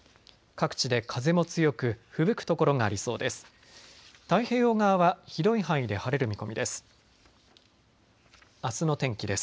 各地で風も強くふぶく所がありそうです。